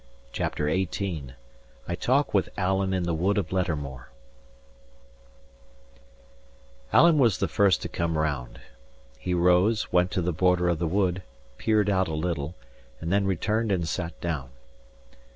CHAPTER XVIII I TALK WITH ALAN IN THE WOOD OF LETTERMORE Alan was the first to come round. He rose, went to the border of the wood, peered out a little, and then returned and sat down.